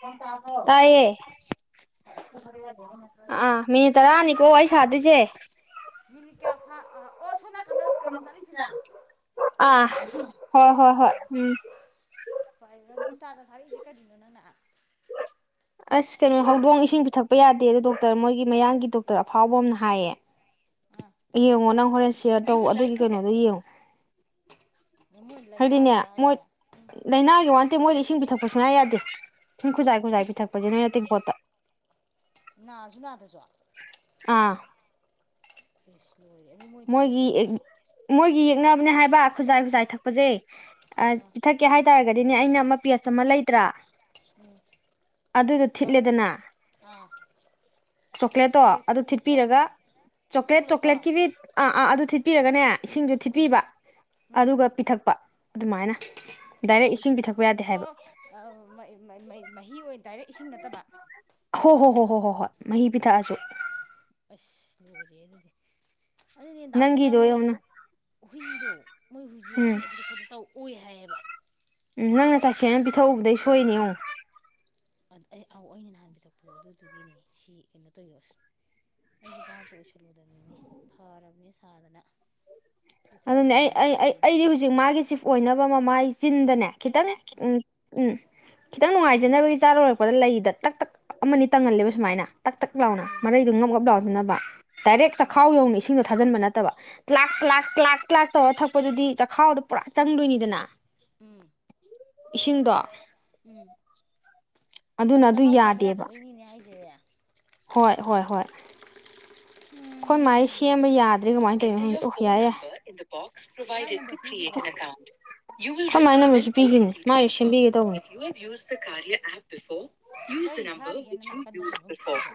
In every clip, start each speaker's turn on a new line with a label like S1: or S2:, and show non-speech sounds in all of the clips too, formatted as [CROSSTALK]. S1: ꯅꯪ ꯇꯥꯕ꯭ꯔꯣ ꯇꯥꯏꯌꯦ ꯇꯥꯏꯌꯦ ꯈꯨꯠ ꯊꯥꯗꯣꯛꯄ ꯌꯥꯗꯦ ꯍꯥꯏ ꯅꯠꯇ꯭ꯔꯣꯁꯦ
S2: ꯑꯥ ꯃꯤꯅꯤꯠ ꯇꯔꯥꯅꯤꯀꯣ ꯋꯥꯔꯤ ꯁꯥꯗꯣꯏꯁꯦ
S1: ꯃꯤꯅꯤꯠ ꯀꯌꯥ ꯐꯥ ꯑꯣ ꯁꯣꯅꯥꯀꯟꯗ ꯀꯩꯅꯣ ꯆꯠꯂꯤꯁꯤꯔ
S2: ꯑꯥ
S1: ꯁꯤ
S2: ꯍꯣꯏ ꯍꯣꯏ ꯍꯣꯏ ꯎꯝ
S1: ꯏꯟꯁꯇꯥ ꯗ ꯊꯔꯛ ꯏꯁꯤꯗꯤ ꯀꯔꯤꯅꯣ ꯅꯪꯅꯥ
S2: ꯑꯁ ꯀꯩꯅꯣ ꯍꯧꯗꯣꯡ ꯏꯁꯤꯡ ꯄꯤꯊꯛꯄ ꯌꯥꯗꯦ ꯑꯗꯣ ꯗꯣꯛꯇꯔ ꯃꯣꯏꯒꯤ ꯃꯌꯥꯡꯒꯤ ꯗꯣꯛꯇꯔ ꯑꯐꯥꯎꯕ ꯑꯃꯅ ꯍꯥꯏꯌꯦ
S1: ꯑꯥ
S2: ꯌꯦꯡꯉꯣ ꯅꯪ ꯍꯣꯔꯦꯟ ꯁꯤꯌꯥꯔ ꯇꯧ ꯑꯗꯨꯒꯤ ꯀꯩꯅꯣꯗꯣ ꯌꯦꯡꯉꯨ꯫
S1: ꯃꯣꯏ
S2: ꯍꯥꯏꯗꯤꯅꯦ
S1: ꯂꯥꯏꯅꯥꯗꯨꯔꯣ
S2: ꯃꯣꯏ
S1: ꯍꯥꯏꯁꯦ ꯑꯦ
S2: ꯂꯩꯅꯥꯒꯤ ꯋꯥ ꯃꯣꯏꯗ ꯏꯁꯤꯡ ꯄꯤꯊꯛꯄ ꯁꯨꯡꯌꯥ ꯌꯥꯗꯦ꯫ ꯏꯁꯤꯡ ꯈꯨꯖꯥꯏ ꯈꯨꯖꯥꯏ ꯄꯤꯊꯛꯄꯖꯤꯅꯦ ꯇꯦꯡꯀꯣꯠꯇ꯫
S1: ꯅꯥꯔꯁꯨ - ꯅꯥꯗ꯭ꯔꯖꯨ꯫
S2: ꯑꯥ
S1: [INAUDIBLE]
S2: ꯃꯣꯏꯒꯤ
S1: ꯊꯛꯏꯁꯤ
S2: [UNINTELLIGIBLE] ꯃꯣꯏꯒꯤ [UNINTELLIGIBLE] ꯍꯥꯏꯕ ꯈꯨꯖꯥꯏ - ꯈꯨꯖꯥꯏ ꯊꯛꯄꯁꯦ꯫ ꯑ
S1: ꯑꯥ
S2: ꯄꯤꯊꯛꯀꯦ ꯍꯥꯏ ꯇꯔꯒꯗꯤ ꯑꯗꯨꯅꯦ ꯑꯩꯅ ꯑꯃ ꯄꯦꯠꯁ ꯑꯃ ꯂꯩꯗꯔ꯭?
S1: ꯎꯝ
S2: ꯑꯗꯨꯏꯗꯣ ꯊꯤꯠꯂꯦꯗꯅ
S1: ꯑꯥ
S2: ꯆꯣꯀ꯭ꯂꯦꯠꯇꯣ ꯑꯗꯨ
S1: ꯄꯦꯁꯁꯤꯗꯤ
S2: ꯊꯤꯠꯄꯤꯔꯒ
S1: ꯀꯔꯝꯕ ꯑꯣ
S2: ꯆꯣꯀ꯭ꯂꯦꯠ
S1: ꯆꯣꯀꯣꯂꯦꯠꯇꯣ
S2: ꯆꯣꯀ꯭ꯂꯦꯠꯀꯤ ꯑꯗꯨ ꯊꯤꯠꯄꯤꯔꯒꯅꯦ ꯏꯁꯤꯡꯗ ꯊꯤꯠꯄꯤꯕ
S1: ꯎꯝ
S2: ꯑꯗꯨꯒ ꯄꯤꯊꯛꯄ꯫ ꯒꯗꯨꯃꯥꯏꯅ꯫
S1: ꯑꯣ ꯏꯁꯤꯡꯗ ꯊꯤ ꯑꯣꯑꯣ ꯃꯍꯤ ꯑꯣꯏꯅ ꯗꯥꯏꯔꯦꯛ ꯏꯁꯤꯡ ꯅꯠꯇꯕ꯫
S2: ꯍꯣ ꯍꯣ ꯍꯣꯏ ꯍꯣꯏ ꯍꯣꯏ ꯍꯣꯏ ꯃꯍꯤ ꯄꯤꯊꯛꯑꯁꯨ꯫
S1: ꯑꯁ ꯂꯣꯏꯔꯦ ꯑꯗꯨꯗꯤ꯫ ꯑꯗꯨꯅꯦ ꯗꯥꯄꯨꯅ
S2: ꯅꯪꯒꯤꯗꯣ
S1: ꯃꯣꯏ
S2: ꯌꯦꯡꯉꯨꯅ
S1: ꯍꯨꯏꯗꯣ ꯃꯣꯏ ꯍꯨꯏꯁꯨ
S2: ꯎꯝ
S1: ꯏꯁꯤꯡ ꯄꯤꯊꯛꯄꯗ ꯇꯧ ꯑꯣꯏ ꯍꯥꯏꯌꯦ꯫
S2: ꯎꯝ ꯅꯪꯅ ꯆꯠꯁꯦꯅ ꯄꯤꯊꯛꯎꯕꯗꯩ ꯁꯣꯏꯔꯤꯅꯤ ꯌꯦꯡꯑꯣ꯫
S1: ꯑꯩ ꯑꯥꯎ ꯑꯩꯅ ꯅꯍꯥꯟ ꯄꯤꯊꯛꯄꯗꯣ ꯑꯗꯨꯗꯨꯒꯤꯅꯦ ꯁꯤ ꯀꯩꯅꯣ ꯇꯧꯌꯣꯁ ꯑꯩꯁꯨ ꯚꯥꯕꯇꯣ ꯑꯣꯏꯁꯜꯂꯨꯗꯕꯅꯤꯅꯦ ꯐꯔꯕꯅꯦ ꯁꯥꯗꯅ꯫
S2: ꯑꯗꯨꯅꯦ ꯑꯩ
S1: ꯄꯤꯊꯛꯎꯔꯤꯅꯤ
S2: ꯑꯩ ꯑꯩ
S1: ꯇꯧꯔꯤ
S2: ꯑꯩꯗꯤ ꯍꯧꯖꯤꯛ ꯃꯥꯒꯤ ꯆꯤꯐ ꯑꯣꯏꯅꯕ ꯃꯃꯥꯏ ꯆꯤꯟꯗꯅꯦ ꯈꯤꯇꯪ ꯎꯝ ꯎꯝ ꯈꯤꯇꯪ ꯅꯨꯡꯉꯥꯏꯖꯅꯕꯒꯤ ꯆꯥ ꯂꯣꯏꯔꯛꯄꯗ ꯂꯩꯗ ꯇꯛ- ꯇꯛ ꯑꯃꯅꯤ ꯇꯪꯍꯜꯂꯦꯕ ꯁꯨꯃꯥꯏꯅ꯫ ꯇꯛ ꯇꯛ ꯂꯥꯎꯅ ꯃꯔꯩꯗꯨꯣ ꯉꯝꯒꯞ ꯂꯥꯎꯗꯅꯕ ꯗꯥꯏꯔꯦꯛ ꯆꯥꯛꯈꯥꯎ ꯌꯧꯅ ꯏꯁꯤꯡꯗꯣ ꯊꯥꯖꯟꯕ ꯅꯠꯇ ꯇꯕ ꯂꯥꯈ ꯂꯥꯛ ꯆꯥꯛ ꯂꯥꯛꯇꯧꯔ ꯊꯛꯄꯗꯨꯗꯤ ꯆꯥꯛꯈꯥꯎꯗꯣ ꯄꯨꯔꯥ ꯆꯪꯗꯣꯏꯅꯤꯗꯅ
S1: ꯎꯝ
S2: ꯏꯁꯤꯡꯗꯣ
S1: ꯎꯝ
S2: ꯑꯗꯨꯅ
S1: ꯑꯗꯨ ꯆꯈꯥꯎ ꯆꯪꯕ
S2: ꯌꯥꯗꯦꯕ
S1: ꯌꯥꯗꯕꯩꯅꯤꯅꯦ ꯍꯥꯏꯁꯦ
S2: ꯍꯣꯏ ꯍꯣꯏ ꯍꯣꯏ ꯑꯩꯈꯣꯏ ꯃꯥꯥꯏ ꯁꯦꯝꯕ ꯌꯥꯗ꯭ꯔꯦ ꯀꯃꯥꯏꯅ ꯀꯩꯅꯣ ꯎꯈꯤ ꯌꯥꯏꯌꯦ [UNINTELLIGIBLE]
S1: ꯃꯥꯏ
S2: ꯕꫭꯛꯁꯣꯗ
S1: ꯅꯝꯕꯔ
S2: ꯀ꯭ꯔꯤꯌꯦ
S1: ꯄꯤꯈꯤꯕ꯭ꯔꯣ
S2: ꯑꯀꯥꯎ ꯀꯃꯥꯏꯅꯝꯕꯔꯁꯨ ꯄꯤꯈꯤꯅꯤ ꯃꯁꯨ ꯁꯦꯝꯕꯤꯒꯦ ꯇꯧꯕꯅꯤ ꯌꯨꯁ ꯗ
S1: ꯀꯔꯤ
S2: ꯅꯝꯕꯔ
S1: ꯊꯥꯔꯤꯒꯦꯅ
S2: ꯍ꯭ꯋꯤꯁ ꯌꯨ
S1: ꯅꯥꯀꯟꯗ
S2: ꯌꯨꯁ ꯕꯤ
S1: ꯀꯩꯅꯣꯝ
S2: ꯐꯣꯔ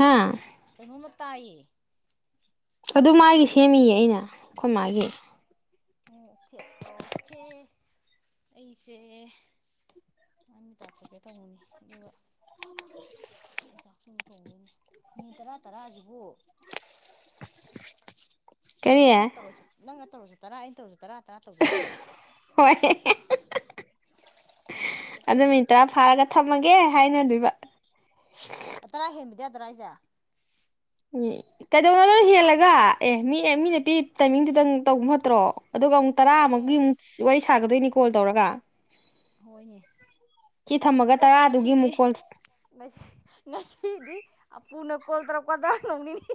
S2: ꯍꯥꯥ
S1: ꯀꯩꯅꫭꯃ ꯇꯥꯏꯌꯦ
S2: ꯑꯗꯨ ꯃꯥꯒꯤ ꯁꯦꯝꯃꯤꯌꯦ ꯑꯩꯅ ꯑꯩꯈꯣꯏ ꯃꯥꯒꯤ
S1: ꯑꯣ ꯑꯣꯀꯦ ꯑꯣꯀꯦ ꯑꯩꯁꯦ ꯅ ꯃꯤ ꯇꯥꯊꯣꯛꯀꯦ ꯇꯧꯕꯅꯤ ꯑꯗꯨꯒ ꯃꯤ ꯇꯔꯥ ꯇꯔꯥꯁꯤꯕꯨ
S2: [UNINTELLIGIBLE]
S1: ꯅꯪ ꯇꯔꯣ ꯅꯪ ꯇꯧ ꯇꯔꯩꯅ ꯇꯧ ꯇꯔꯥ ꯇꯔꯥ ꯇꯧꯕꯤꯔꫭ
S2: ꯍꯣꯏ ꯑꯗꯨ
S1: ꯇꯣꯛꯄꯅꯤꯍꯦ
S2: ꯃꯤꯅꯤꯠ ꯇꯔꯥ ꯐꯥꯔꯒ ꯊꯝꯃꯒꯦ ꯍꯥꯏꯅꯗꯣꯏꯕ
S1: ꯇꯔꯥ ꯍꯦꯟꯕꯗ ꯌꯗꯔꯥ ꯍꯥꯏꯁꯦ
S2: ꯀꯩꯗꯧꯅꯣ ꯅꯪ ꯍꯦꯜꯂꯒ ꯑꯦ ꯃꯤ ꯃꯤꯅ ꯄꯤ ꯇꯥꯏꯃꯤꯡꯗꯨꯗꯪ ꯇꯧꯕ ꯐꯠꯇ꯭ꯔꯣ ꯑꯗꯨꯒ ꯑꯃꯨꯛ ꯇꯔꯥ
S1: ꯌꯥꯏꯌꯦ
S2: ꯑꯃꯒꯤꯨꯛꯀꯤ ꯑꯃꯨꯛ ꯋꯥꯔꯤ ꯁꯥꯒꯗꯣꯏꯅꯤ ꯀꯣꯜ ꯇꯧꯔꯒ
S1: ꯍꯣꯏꯅꯦ
S2: ꯁꯤ ꯊꯝꯃꯒ
S1: ꯑꯣ
S2: ꯇꯔꯥꯗꯨꯒꯤ
S1: ꯉꯁꯤꯗꯤ
S2: ꯑꯃꯨꯛ ꯀꯣꯜ
S1: ꯉꯁꯤꯗꯤꯄꯨꯅ ꯀꯣꯜ ꯇꯔꯛ ꯀꯣꯟꯗ ꯅꯧꯅꯤꯅꯤ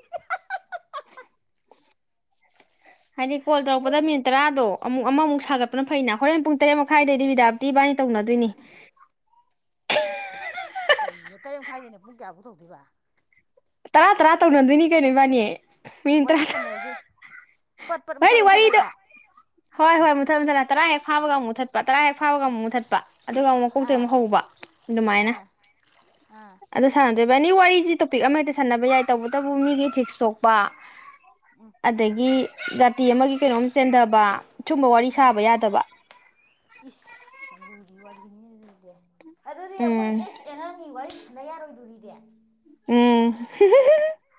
S2: ꯍꯥꯏꯗꯤ ꯀꯣꯜ
S1: ꯃꯣꯏ
S2: ꯇꯧꯔꯛꯄꯗ ꯃꯤꯅꯤꯠ ꯇꯔꯥꯗꯣ ꯑꯃꯨꯛ ꯑꯃꯃꯨꯛ
S1: ꯑ
S2: ꯁꯥꯒꯠꯄꯅ ꯐꯩꯅ ꯍꯣꯔꯦꯄꯨꯡ ꯇꯔꯦꯠ ꯃꯈꯥꯏꯗꯩꯗꯤ ꯕꯤꯗꯥꯞꯇꯤ ꯏꯕꯥꯅꯤ ꯇꯧꯅꯗꯣꯏꯅꯤ
S1: ꯀꯩꯅꯦ ꯇꯔꯦꯠ ꯃꯈꯥꯏꯗꯅꯦ ꯄꯨꯡ ꯀꯌꯥꯄꯨ ꯊꯧꯗꯣꯏꯕ
S2: ꯇꯔꯥ ꯇꯔꯥ ꯇꯧꯅꯗꯣꯏꯅꯤ ꯀꯩꯅꯣ ꯏꯕꯥꯅꯦ ꯃꯤꯅꯤꯠ
S1: ꯋꯥꯔꯤ
S2: ꯇꯔꯥ ꯇꯔꯥ
S1: ꯁꯥꯟꯅꯔꯁꯨ ꯄꯠ ꯄꯠ ꯃꯨꯊꯠ
S2: ꯍꯗꯤ ꯋꯥꯔꯤꯗ
S1: ꯃꯨꯊꯠꯂꯒ
S2: ꯍꯣꯏ ꯍꯣꯏ ꯃꯨꯊꯠ ꯃꯨꯊꯠꯂ ꯇꯔꯥ ꯍꯦꯛ ꯐꯥꯕ ꯑꯃꯨꯛꯊꯠꯄ ꯇꯔꯥ ꯍꯦꯛ ꯐꯥꯎꯕꯒ ꯑꯃꯨꯊꯠꯄ ꯑꯗꯨꯒ ꯑꯃꯨꯛ ꯃꯀꯣꯛꯇꯤ
S1: ꯑꯥ
S2: ꯑꯃꯨꯛ ꯍꯧꯕ ꯑꯗꯨꯃꯥꯏꯅ
S1: ꯑꯥ ꯑꯥ
S2: ꯑꯗꯨ ꯁꯥꯟꯅꯗꯩ ꯚꯏ ꯑꯅꯤ ꯋꯥꯔꯤꯁꯤ ꯇꯣꯄꯤꯛ ꯑꯃ ꯍꯦꯛꯇ ꯁꯥꯟꯅꯕ ꯌꯥꯏ ꯇꯧꯕꯇꯕꯨ ꯃꯤꯒꯤ ꯏꯊꯤꯛꯁ ꯁꯣꯛꯄ ꯑꯗꯒꯤ ꯖꯥꯇꯤ ꯑꯃꯒꯤ ꯀꯩꯅꯣꯝ ꯆꯦꯟꯗꯕ ꯁꯨꯝꯕ ꯋꯥꯔꯤ ꯁꯥꯕ ꯌꯥꯗꯕ
S1: ꯏꯁ ꯌꯥꯝ ꯂꯨꯔꯤ ꯋꯥꯔꯤꯅꯤꯅꯦ ꯑꯗꯨꯗꯤ ꯑꯗꯨꯗꯤ ꯑꯩꯈꯣꯏ
S2: ꯎꯝ
S1: ꯑꯦꯛꯁ ꯑꯦꯅꯥꯅꯤ ꯋꯥꯔꯤ ꯌꯥꯔꯣꯏꯗꯣꯔꯤꯅꯦ
S2: ꯎꯝ [UNINTELLIGIBLE]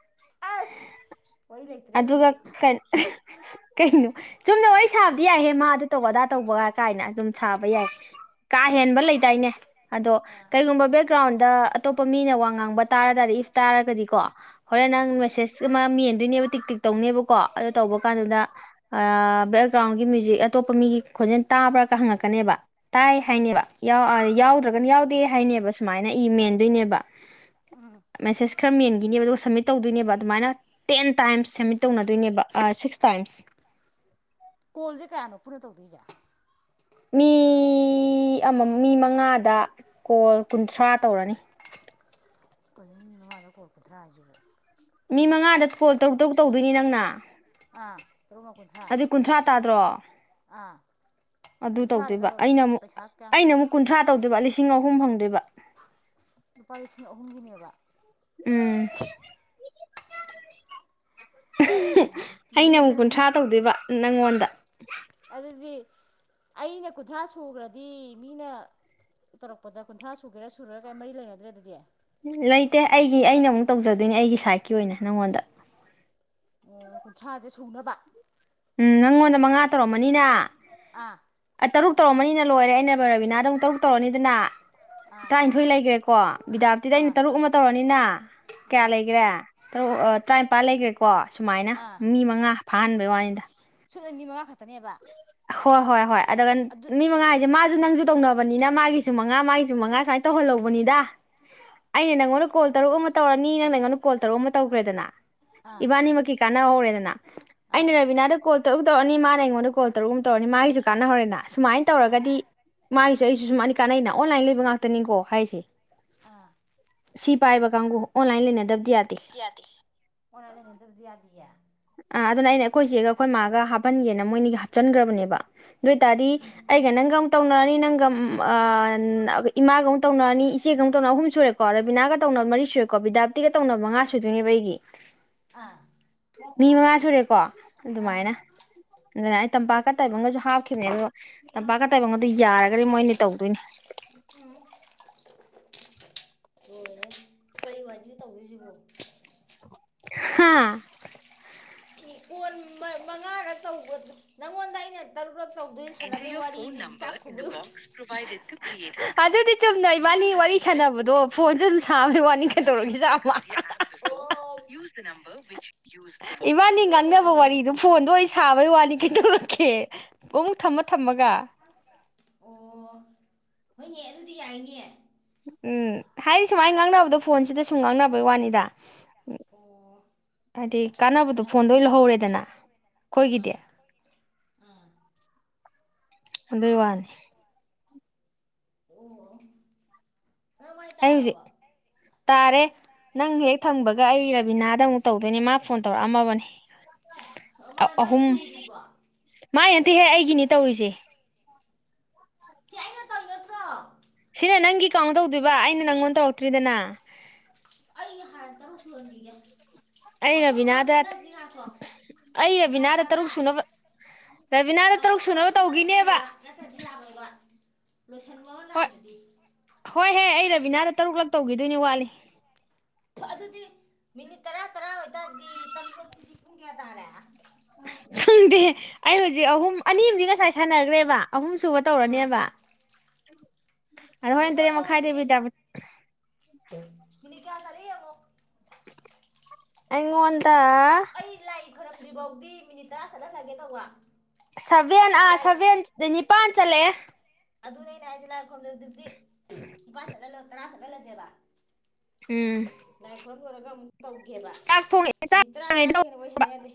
S1: ꯑꯁ ꯋꯥꯔꯤ ꯂꯩꯇ꯭ꯔꯦ
S2: ꯑꯗꯨꯒ
S1: ꯑꯗꯨꯗꯤ
S2: [UNINTELLIGIBLE] ꯀꯩꯅꯣ ꯆꯨꯝꯅ ꯋꯥꯔꯤ ꯁꯥꯕꯗꯤ ꯌꯥꯏꯍꯦ ꯃꯥꯗꯨ ꯇꯧꯕ ꯑꯗꯥ ꯇꯧꯕꯒ ꯀꯥꯏꯅ ꯑꯗꯨꯨꯝ ꯁꯥꯕ ꯌꯥꯏ ꯀꯥ
S1: ꯑꯥ
S2: ꯍꯦꯟꯕ ꯂꯩꯗꯥꯏꯅꯦ ꯑꯗꯣ
S1: ꯑꯥ
S2: ꯀꯩꯒꯨꯝꯕ ꯕꯦꯛꯒ꯭ꯔꯥꯎꯟ ꯑꯗ ꯑꯇꯣꯞꯄ ꯃꯤꯅ ꯋꯥ ꯉꯥꯡꯕ ꯇꯥꯔ ꯇꯥꯔꯗꯤ ꯏꯐ ꯇꯥꯔꯒꯗꯤꯀꯣ ꯍꯣꯔꯦꯟ ꯅꯪ ꯃꯦꯁꯦꯁ ꯑꯃꯥ ꯃꯦꯟꯗꯣꯏꯅꯦꯕ ꯇꯧꯅꯦꯕꯀꯣ ꯑꯗꯨ ꯇꯧꯕ ꯀꯥꯟꯗꯨꯗ ꯑꯥ ꯭ꯔꯥꯎꯟꯒꯤ ꯃ꯭ꯌꯨꯖꯤꯛ ꯑꯇꯣꯞꯄ ꯃꯤꯒꯤ ꯈꯣꯟꯖꯦꯜ ꯇꯥꯕ꯭ꯔꯥꯒ ꯍꯪꯉꯛꯀꯅꯦꯕ ꯇꯥꯏ ꯍꯥꯏꯅꯦꯕ ꯌꯥꯎꯗ꯭ꯔꯒꯅ ꯌꯥꯎꯗꯦ ꯍꯥꯏꯅꯦꯕ ꯁꯨꯃꯥꯏꯅ ꯏ ꯃꯦꯟꯗꯣꯏꯅꯦꯕ ꯃꯦꯁꯦꯁ ꯈꯔ ꯃꯦꯟ ꯒꯤꯅꯦꯕ ꯑꯗꯨꯒ ꯁꯝꯃꯤꯠ ꯇꯧꯗꯣꯏꯅꯦꯕ ꯑꯗꯨꯃꯥꯏꯅ ꯇꯦꯟ ꯇꯥꯏꯝꯁ ꯁꯃꯤꯠ ꯇꯧꯅꯗꯣꯏꯅꯦꯕ ꯁꯤꯛꯁ ꯇꯥꯏꯝꯁ
S1: ꯀꯣꯜꯖ ꯀꯌꯥꯅꯣ ꯄꯨꯟꯅ ꯇꯧꯗꯣꯏꯖꯦ
S2: ꯃꯤ ꯑꯃ ꯃꯤ ꯃꯉꯥꯗ ꯀꯣꯜ ꯀꯨꯟꯊ꯭ꯔꯥ ꯇꯧꯔꯅꯤ
S1: ꯀꯩꯅꯣꯅꯦ ꯃꯤ ꯃꯉꯥꯗ ꯀꯣꯜ ꯀꯨꯟꯊꯔꯥ ꯍꯥꯏꯖꯤꯕꯣ
S2: ꯃꯤ ꯃꯉꯥꯗ ꯀꯣꯜ ꯇꯔꯨꯛ ꯇꯔꯨꯛ ꯇꯧꯗꯣꯏꯅꯤ ꯅꯪꯅ
S1: [INAUDIBLE]
S2: ꯑꯗꯨ ꯀꯨꯟꯊ꯭ꯔꯥ ꯇꯥꯗ꯭ꯔꯣ
S1: ꯑꯥ
S2: ꯑꯗꯨ
S1: ꯀꯨꯟꯊ꯭ꯔꯥꯗꯨꯗ
S2: ꯇꯧꯗꯣꯏꯕ ꯑꯩꯅ ꯑꯃꯨꯛ
S1: ꯄꯩꯁꯥ ꯀꯌꯥꯝ
S2: ꯑꯩꯅ ꯑꯃꯨꯛ ꯀꯨꯟꯊ꯭ꯔꯥ ꯇꯧꯗꯣꯏꯕ ꯂꯤꯁꯤꯡ ꯂꯤꯁꯤꯡ ꯑꯍꯨꯝ ꯐꯪꯗꯣꯏꯕ
S1: ꯂꯨꯄꯥ ꯂꯤꯁꯤꯡ ꯑꯍꯨꯝꯒꯤꯅꯦꯕ
S2: ꯎꯝ ꯑꯩꯅ ꯑꯃꯨꯛ
S1: ꯌꯦꯜꯂꯕꯅꯤ
S2: ꯀꯨꯟꯊ꯭ꯔꯥ ꯇꯧꯗꯣꯏꯕ ꯅꯉꯣꯟꯗ
S1: ꯑꯗꯨꯗꯤ ꯑꯩꯅ ꯀꯨꯟꯊ꯭ꯔꯥ ꯁꯨꯈ꯭ꯔꯗꯤ ꯃꯤꯅ ꯇꯧꯔꯛꯄꯗ ꯀꯨꯟꯊ꯭ꯔꯥ ꯁꯨꯒꯦꯔꯥ ꯁꯨꯔ ꯀꯔꯤ ꯃꯔꯤ ꯂꯩꯅꯗ꯭ꯔꯦ ꯑꯗꯨꯗꯤ
S2: ꯂꯩꯇꯦ ꯑꯩꯒꯤ ꯑꯩꯅ ꯑꯃꯨꯛ ꯇꯧꯖꯗꯣꯏꯅꯦ ꯑꯩꯒꯤ ꯁꯥꯏꯠꯀꯤ ꯑꯣꯏꯅ ꯅꯉꯣꯟꯗ
S1: ꯀꯨꯟꯊ꯭ꯔꯥꯁꯦ ꯁꯨꯅꯕ
S2: ꯎꯝ ꯅꯪꯉꯣꯟꯗ ꯃꯉꯥ ꯇꯧꯔꯝꯃꯅꯤꯅ
S1: ꯑꯥ
S2: ꯇꯧꯔꯕꯅꯤꯅ ꯂꯣꯏꯔꯦ ꯑꯩꯅ ꯕꯕꯤꯅꯥꯗ ꯇꯔꯨꯛ ꯇꯧꯔꯅꯤꯗꯅ
S1: ꯑꯥ
S2: ꯇꯔꯥꯅꯤꯊꯣꯏ ꯂꯩꯈ꯭ꯔꯦ ꯀꯣ ꯕꯤꯗꯥꯞꯇꯤꯗ ꯑꯩꯅ
S1: ꯑꯥ
S2: ꯇꯔꯨꯛ ꯑꯃꯨꯛ ꯇꯧꯔꯅꯤꯅ ꯀꯌꯥ
S1: ꯑꯥ
S2: ꯂꯩꯈꯔꯦ ꯇꯔꯨ ꯑꯥ ꯇ꯭ꯔꯥꯏꯝꯄꯥꯥꯟ ꯂꯩꯒ꯭ꯔꯦꯀꯣ꯫ ꯁꯨꯃꯥꯏꯅ
S1: ꯑꯥ
S2: ꯃꯤ ꯃꯉꯥ ꯐꯍꯥꯟꯕꯩ ꯋꯥꯅꯤꯗ꯫
S1: ꯁꯨꯞꯅꯩ ꯃꯤ ꯃꯉꯥ ꯈ ꯇꯅꯦꯕꯥ꯫
S2: ꯍꯣꯏ ꯍꯣꯏ ꯍꯣꯏ꯫ ꯑꯗꯨꯒ ꯃꯤ ꯃꯉꯥ ꯍꯥꯏꯖꯦ ꯃꯥ ꯑꯗꯨ ꯅꯪꯁꯨ ꯇꯧꯅꯕꯅꯤꯅ ꯃꯥꯒꯤꯁꯨ ꯃꯉꯥ ꯃꯥꯒꯤꯁꯨ ꯃꯉꯥ ꯁꯨꯃꯥꯏ ꯇꯧꯍꯜꯍꯧꯕꯅꯤꯗ ꯑꯩꯅ ꯅꯪꯉꯣꯟꯗ ꯀꯣꯜ ꯇꯔꯨꯛ ꯑꯃ ꯇꯧꯔꯅꯤ ꯅꯪ ꯅꯉꯣꯟꯗ ꯀꯣꯜ ꯇꯔꯨꯛ ꯑꯃ ꯇꯧꯒ꯭ꯔꯦꯗꯅ
S1: ꯑꯥ
S2: ꯏꯕꯥꯅꯤꯃꯛꯀꯤ ꯀꯥꯟꯅ ꯍꯧꯔꯦꯗꯅ ꯑꯩꯅ
S1: ꯑꯥ
S2: ꯔꯕꯤꯅꯥꯗ ꯀꯣꯜ ꯇꯧꯗꯧ ꯑꯅꯤ ꯃꯥꯅ ꯑꯩꯉꯣꯟꯗ ꯀꯣꯜ ꯇꯔꯨꯛ ꯑꯃ ꯇꯧꯔꯅꯤ ꯃꯥꯒꯤꯁꯨ ꯀꯥꯟꯅꯍꯔꯦꯅ ꯑꯁꯨꯃꯥꯏꯅ
S1: ꯑꯥ
S2: ꯇꯧꯔꯒꯗꯤ ꯃꯥꯏ [UNINTELLIGIBLE] ꯀꯥꯟꯅꯩꯅ ꯑꯣꯟꯂꯥꯏꯟ ꯂꯩꯕ ꯉꯥꯛꯇꯅꯤꯀꯣ ꯍꯥꯏꯔꯤꯁꯦ꯫
S1: ꯑꯥ꯫
S2: ꯁꯤ ꯄꯥꯏꯕ ꯀꯥꯡꯕꯨ ꯑꯣꯟꯂꯥꯏꯟ ꯂꯩꯅꯗꯕ
S1: ꯑꯣꯟ ꯂꯥꯏꯟ ꯂꯩꯅꯗꯕꯗꯤ ꯌꯥꯗꯤꯌꯦ꯫
S2: ꯑ ꯑꯗꯨꯅ ꯑꯩꯅ ꯑꯩꯈꯣꯏ ꯆꯦꯒ ꯑꯩꯈꯣꯏ ꯃꯥꯒ ꯍꯥꯞꯄꯟꯒꯦꯅ ꯃꯣꯏꯅꯤꯒ ꯍꯥꯞꯆꯟꯈ꯭ꯔꯕꯅꯦꯕ ꯑꯗꯨ ꯑꯣꯏ ꯇꯔꯗꯤ ꯑꯩꯒ ꯅꯪꯒ ꯑꯃꯨꯛ ꯇꯧꯅꯔꯅꯤ ꯅꯪꯒ ꯑ ꯏꯃꯥꯒ ꯑꯃꯨꯛ ꯇꯅꯔꯅꯤ ꯏꯆꯦꯒ ꯑꯃꯨꯛ ꯇꯅ ꯑꯍꯨꯝ ꯁꯨꯔꯦꯀꯣ ꯔꯦꯕꯤꯅꯥꯒ ꯇꯧꯅꯕ ꯃꯔꯤ ꯁꯨꯔꯦꯀꯣ ꯕꯤꯗꯥꯞꯇꯤꯒ ꯇꯧꯅꯕ ꯃꯉꯥ ꯁꯨꯗꯣꯏꯅꯦꯕ ꯑꯩꯒꯤ
S1: ꯑꯥ꯫
S2: ꯃꯤ ꯃꯉꯥ ꯁꯨꯔꯦꯀꯣ꯫
S1: ꯑꯥ
S2: ꯑꯗꯨꯃꯥꯏꯅ ꯑꯗꯨꯅ ꯑꯩ ꯇꯝꯄꯥꯛꯀ ꯇꯥꯏꯕꯒꯁꯨ ꯍꯥ [UNINTELLIGIBLE] ꯇꯝꯄꯥꯛꯀ ꯇꯥꯏꯕꯪꯒ ꯑꯗꯨ ꯌꯥꯔꯒꯗꯤ ꯃꯣꯏꯅꯤ ꯇꯧꯗꯣꯏꯅꯦ꯫
S1: ꯍꯣꯏꯅꯦ ꯀꯔꯤ ꯋꯥꯅꯣ ꯇꯧꯗꯣꯏꯁꯤꯕꯨ꯫
S2: ꯍꯥꯥ꯫
S1: ꯀꯣꯟ ꯃ ꯃꯉꯥꯒꯔꯛ ꯇꯧꯕ ꯅꯪꯉꯣꯟꯗ ꯑꯩꯅ ꯇꯔꯨꯔꯛ
S2: enter your phone number in the box provided ꯇꯨ ꯑꯗꯨꯗꯤ ꯆꯨꯝꯅ ꯏꯕꯥꯅꯤ ꯋꯥꯔꯤ ꯁꯥꯟꯅꯕꯗꯣ ꯐꯣꯟꯁꯨꯦ ꯑꯗꯨꯝ ꯁꯥꯕꯅꯦ ꯋꯥꯅꯤ ꯀꯩꯗꯧꯔꯒꯦꯁꯨ
S1: ꯑꯣ
S2: ꯏꯆꯤꯃ [UNINTELLIGIBLE]
S1: ꯊꯕꯛ
S2: ꯂꯤꯅꯕ
S1: ꯂꯩꯇꯕꯒꯤ
S2: ꯋꯥꯔꯤꯗꯣ ꯐꯣꯟꯗ ꯑꯣꯢ ꯁꯥꯕ ꯋꯥꯅꯤ ꯀꯩꯗꯧꯔꯒꯦ ꯄꯨꯡ ꯊꯝꯃ ꯊꯝꯃꯒ
S1: ꯑꯣ ꯍꯣꯏꯅꯦ ꯑꯗꯨꯗꯤ ꯌꯥꯏꯅꯦ꯫
S2: ꯎꯝ ꯍꯥꯏꯔꯤ ꯁꯨꯃꯥꯏ ꯉꯥꯡꯅꯕꯗꯣ ꯐꯣꯟꯁꯤꯗ ꯁꯨꯝ ꯉꯥꯡꯅꯕꯩ ꯋꯥꯅꯤꯗ ꯎ
S1: ꯑꯣ
S2: ꯍꯥꯏꯗꯤ ꯀꯥꯟꯅꯕꯗꯣ
S1: ꯑꯁ
S2: ꯐꯣꯟꯗ ꯑꯣꯏ
S1: ꯑꯁ
S2: ꯂꯧꯍꯧꯔꯦꯗꯅ ꯑꯩꯈꯣꯏꯒꯤꯗꯤ꯫
S1: ꯑꯥ ꯑꯥ
S2: ꯑꯗꯨꯢ ꯋꯥꯅꯤ꯫
S1: ꯑꯣ ꯅꯪ ꯃꯥꯏ
S2: ꯑꯩ ꯍꯧꯖꯤꯛ
S1: ꯇꯥꯔꯕꯣ
S2: ꯇꯥꯔꯦ ꯅꯪ ꯍꯦꯛ ꯊꯝꯕꯒ ꯑꯩ ꯔꯕꯤꯅꯥꯗ ꯑꯃꯨꯛ ꯇꯧꯗꯣꯏꯅꯦ ꯃꯥ ꯐꯣꯟ ꯇꯧꯔꯛꯑꯝꯃꯕꯅꯦ
S1: ꯃꯥꯏ ꯃꯥꯏ
S2: ꯑꯍꯨꯝ
S1: ꯁꯨꯗ꯭ꯔꯤꯕꯣ
S2: ꯃꯥꯏ ꯅꯠꯇꯦꯍꯦ ꯑꯩꯒꯤꯅꯤ ꯇꯧꯔꯤꯖꯦ꯫
S1: ꯁꯤ ꯑꯩꯅ ꯇꯧꯔꯤ ꯅꯠꯇ꯭ꯔꯣ
S2: ꯁꯤꯅ ꯅꯪꯒꯤ ꯀꯥꯎꯟ ꯇꯧꯗꯣꯏꯕ ꯑꯩꯅ ꯅꯪꯉꯣꯟꯗ ꯇꯧꯔꯛꯇ꯭ꯔꯤꯗꯅ
S1: ꯑꯩ ꯍꯥꯟꯅ [UNINTELLIGIBLE]
S2: ꯑꯩ
S1: ꯃꯐꯝ ꯑꯃ
S2: ꯔꯕꯤꯅꯥꯗ
S1: ꯈꯪꯅꯁꯤ ꯉꯥꯏꯈꯣ
S2: ꯑꯩ
S1: ꯒ꯭ꯌꯥꯟ
S2: ꯔꯕꯤꯅꯥꯗ ꯇꯔꯨꯛ
S1: ꯇꯥꯕ꯭ꯔꯥ
S2: ꯁꯨꯅꯕ ꯔꯕꯤꯅꯥꯗ ꯇꯔꯨꯛ ꯁꯨꯅꯕ ꯇꯧꯈꯤꯅꯦꯕ
S1: [UNINTELLIGIBLE] ꯅꯠꯇꯗꯤ ꯌꯥꯔꯣꯏꯕ ꯂꯣꯏꯁꯟꯕ ꯑꯃ
S2: ꯍꯣꯏ
S1: ꯂꯥꯛꯏꯗꯨꯗꯤ
S2: ꯍꯣꯏꯍꯦ ꯑꯩ ꯔꯕꯤꯅꯥꯗ ꯇꯔꯨꯛ ꯂꯛ ꯇꯧꯈꯤꯗꯣꯏꯅꯦ ꯋꯥꯠꯂꯤ
S1: ꯑꯗꯨꯗꯤ ꯃꯤꯅꯤꯠ ꯇꯔꯥ ꯇꯔꯥ ꯑꯣꯢ ꯇꯥꯔꯗꯤ ꯇꯔꯨꯛꯂꯛꯇꯗꯤ ꯄꯨꯡ ꯀꯌꯥ ꯇꯥꯔꯦ
S2: ꯈꯪꯗꯦ ꯑꯩ ꯍꯧꯖꯤꯛ ꯑꯍꯨꯝ ꯑꯅꯤ ꯑꯁꯤ ꯉꯁꯥꯏ ꯁꯥꯟꯅꯈ꯭ꯔꯦꯕ ꯑꯍꯨꯝ ꯁꯨꯕ
S1: ꯑꯥ
S2: ꯇꯧꯔꯅꯦꯕ ꯑꯗ ꯍꯣꯔꯦꯟ ꯇꯔꯦꯠ
S1: ꯅꯪꯉꯣꯟꯗ
S2: ꯃꯈꯥꯏꯗ
S1: ꯍꯧꯖꯤꯛ
S2: [UNINTELLIGIBLE]
S1: ꯃꯤꯅꯤꯠ ꯀꯌꯥ ꯇꯥꯔꯦ ꯌꯦꯡꯉꯣ
S2: ꯑꯩꯉꯣꯟꯗ
S1: ꯑꯩ ꯂꯥꯏ ꯇ ꯋꯥ
S2: ꯁꯚꯦꯟ ꯑꯥ ꯁꯚꯦꯟ ꯅꯤꯄꯜ ꯆꯠꯂꯛꯑꯦ
S1: ꯑꯗꯨꯅꯦ [UNINTELLIGIBLE] ꯂꯂꯖꯦꯕ
S2: ꯎꯝ
S1: ꯇꯧꯒꯦꯕ
S2: ꯆꯥꯛ ꯊꯣꯡꯉꯤ
S1: ꯇꯔꯥ ꯇꯔꯥꯗꯤꯒꯤ ꯍꯦꯟꯅ ꯌꯥꯔꯤ ꯁꯅ ꯌꯥꯗꯦ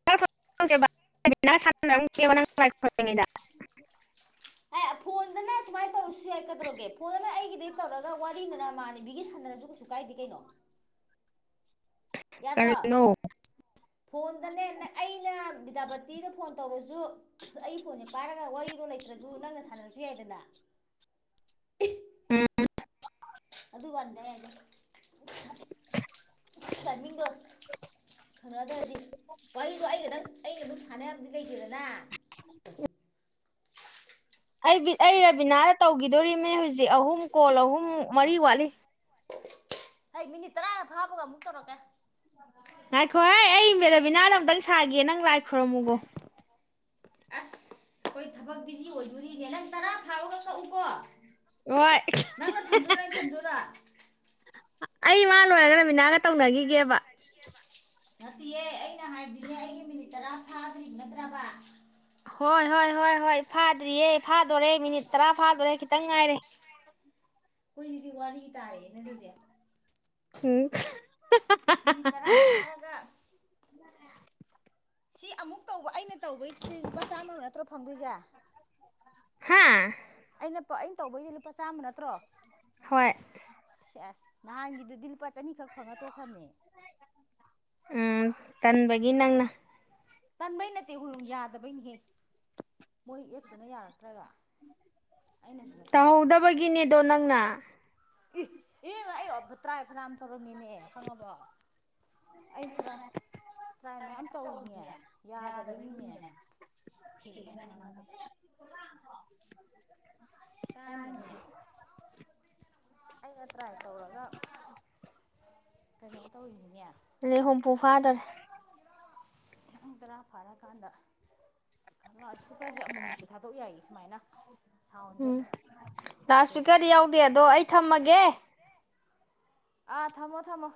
S2: [UNINTELLIGIBLE]
S1: ꯗꯧꯔꯒꯦ ꯐꯣꯟꯗꯅ ꯑꯩꯒꯤꯗꯤ ꯇꯧꯔꯒ ꯋꯥꯔꯤꯅ ꯅꯃꯥꯥꯟꯅꯕꯤꯒꯤ ꯁꯥꯟꯅꯔꯁꯨ ꯀꯩꯁꯨ ꯀꯥꯏꯗꯦ ꯀꯩꯅꯣ ꯌꯥꯗ꯭ꯔꯣ
S2: ꯀꯔꯤꯅꯣ
S1: ꯐꯣꯟꯗꯅꯦ ꯕꯤ꯭ꯌꯥꯄꯇꯤꯗ ꯐꯣꯟ ꯇꯧꯔꯁꯨ ꯑꯩ ꯐꯣꯟꯁꯦ ꯄꯥꯏꯔꯒ ꯋꯥꯔꯤꯗꯣ ꯂꯩꯇ꯭ꯔꯁꯨ ꯅꯪꯅ ꯁꯥꯟꯅꯔꯁꯨ ꯌꯥꯏꯗꯅ
S2: ꯎꯝ
S1: ꯑꯗꯨ ꯋꯥꯅꯤꯗ ꯑꯩ ꯍꯥꯏꯖꯦ ꯇꯥꯏꯃꯤꯡꯗꯣ ꯈꯪꯅꯗ꯭ꯔꯗꯤ ꯋꯥꯔꯤꯗꯣ ꯑꯩꯒꯗꯪ ꯑꯩꯒ ꯑꯗꯨꯝ ꯁꯥꯟꯅ ꯌꯥꯕꯅꯤ ꯀꯩ ꯇꯦꯗꯅꯥ
S2: ꯑꯩ ꯑꯩ ꯔꯕꯤꯅꯥꯗ ꯇꯧꯒꯤꯗꯧꯔꯤꯃꯦ ꯍꯧꯖꯤꯛ ꯑꯍꯨꯝ ꯀꯣꯜ ꯑꯍꯨꯝ ꯃꯔꯤ ꯋꯥꯠꯂꯤ
S1: ꯑꯩ ꯃꯤꯅꯤꯠ ꯇꯔꯥ ꯐꯥꯕꯒ ꯑꯃꯨꯛ ꯇꯧꯔꯛꯀꯦ
S2: ꯉꯥꯏꯈꯣ ꯍꯥꯏ ꯑꯩ ꯃꯦꯔꯥꯕꯤꯅꯥꯗ ꯑꯃꯨꯛꯇꯪ ꯁꯥꯒꯦ ꯅꯪ ꯂꯥꯏ ꯈꯣꯏꯔꯝꯃꯨꯒꯣ
S1: ꯑꯁ ꯑꯩꯈꯣꯏ ꯊꯕꯛ ꯕꯤꯖꯤ ꯑꯣꯏꯗꯧꯔꯤꯅꯦ ꯅꯪ ꯇꯔꯥ ꯐꯥꯕꯒ ꯀꯛꯎꯀꯣ
S2: ꯍꯣꯏ
S1: ꯅꯪꯅ ꯊꯝꯗꯣꯏꯔ ꯑꯩꯅ ꯊꯝꯗꯣꯏꯔ
S2: ꯑꯩ ꯃꯥ ꯂꯣꯏꯔꯒ ꯔꯃꯤꯅꯥꯒ ꯇꯧꯅꯈꯤꯒꯦꯕ
S1: ꯅꯠꯇꯤꯌꯦ ꯑꯩ ꯑꯩꯅ ꯍꯥꯏꯗꯤꯅꯦ ꯑꯩꯒꯤ ꯃꯤꯅꯤꯠ ꯇꯔꯥ ꯊꯥꯗ꯭ꯔꯤ ꯅꯠꯇ꯭ꯔꯕ
S2: ꯍꯣꯏ ꯍꯣꯏ ꯍꯣꯏ ꯍꯣꯏ ꯐꯥꯗ꯭ꯔꯤꯌꯦ ꯐꯥꯗꯣꯔꯦ ꯃꯤꯅꯤꯠ ꯇꯔꯥ ꯐꯥꯗꯣꯔꯦ ꯈꯤꯇꯪ ꯉꯥꯏꯔꯦ
S1: ꯀꯨꯏꯗꯤ ꯋꯥꯔꯤ ꯇꯔꯦꯅꯦ ꯑꯗꯨꯗꯤ
S2: ꯎꯝ
S1: ꯃꯤꯅꯤꯠ ꯇꯔꯥ ꯐꯥꯔꯒ ꯁꯤ ꯑꯃꯨꯛ ꯇꯧꯕ ꯑꯩꯅ ꯇꯧꯕꯩ ꯁꯤ ꯂꯨꯄꯥ ꯆꯥꯝꯃ ꯅꯠꯇ꯭ꯔꯣ ꯐꯪꯗꯣꯏꯁꯦ
S2: ꯍꯥꯥ
S1: ꯑꯩꯅꯄ ꯑꯩꯅ ꯇꯧꯕꯩ ꯂꯨꯄꯥ ꯆꯥꯝꯃ ꯅꯠꯇ꯭ꯔꯣ
S2: ꯍꯣꯏ
S1: ꯑꯦꯁ ꯅꯍꯥꯟꯒꯤꯗꯨꯗꯤ ꯂꯨꯄꯥ ꯆꯅꯤꯈꯛ ꯐꯪꯉ ꯇꯣꯛꯈ꯭ꯔꯕꯅꯦ
S2: ꯎꯝ ꯇꯟꯕꯒꯤ ꯅꯪꯅ
S1: ꯇꯟꯕꯩ ꯅꯠꯇꯦ ꯍꯣꯡ ꯌꯥꯗꯕꯩꯅꯤꯍꯦ ꯃꯣꯏ ꯑꯦꯞꯇꯨꯅ ꯌꯥꯔꯛꯇ꯭ꯔꯒ ꯑꯩꯅꯁꯨ ꯅꯠꯇꯅ
S2: ꯇꯧꯍꯧꯗꯕꯒꯤꯅꯦꯗꯣ ꯅꯪꯅ
S1: ꯏ ꯑꯦ ꯑꯣꯕꯇ꯭ꯔꯥ ꯔꯥꯝ ꯇꯧꯔꯝꯃꯤꯅꯦ ꯈꯪꯉꯕꯣ ꯑꯩ ꯇ꯭ꯔꯥꯏ ꯇꯥꯏ ꯃꯌꯥꯝ
S2: ꯇ
S1: ꯇꯧꯋꯤꯅꯦ
S2: ꯌꯥꯗ
S1: ꯍꯦꯕꯅꯤ ꯉꯅꯅꯕ ꯌꯥꯅꯤꯅꯦ ꯑꯩꯅ ꯇ꯭ꯔꯥꯏ ꯇꯧꯔꯒ ꯀꯩꯅꯣ ꯇꯧꯔꯤꯅꯤꯅꯦ
S2: ꯂꯦ ꯍꯣꯝꯄꯨ ꯐꯥꯗꯔ
S1: ꯇꯔꯥ ꯐꯥꯔꯛꯀꯥꯟꯗ ꯂꯥꯎꯗ ꯁ꯭ꯄꯤꯀꯔꯁꯦ ꯑꯃꯃꯨꯛꯇꯤ ꯊꯥꯗꯣꯛ ꯌꯥꯏ ꯁꯨꯃꯥꯏꯅ ꯁꯥꯎꯟꯁꯦ
S2: ꯂꯥꯎꯗ
S1: ꯀꯩ
S2: ꯁ꯭ꯄꯤꯀꯔꯗꯤ ꯌꯥꯎꯗꯦ ꯑꯗꯣ ꯑꯩ ꯊꯝꯃꯒꯦ
S1: ꯑꯥ ꯊꯝꯃꯣ ꯊꯃꯣ